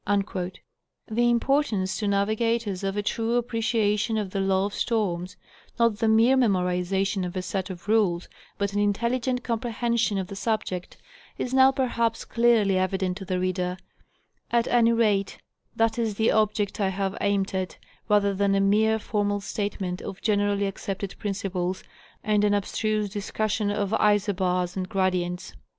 The importance to navigators of a true appreciation of the law of storms—not the mere memorization of a set of rules, but an intelligent comprehension of the subject—is now perhaps clearly evident to the reader: at any rate, that is the object I have aimed at, rather than a mere formal statement of generally accepted principles and an abstruse discussion of isobars and gradients.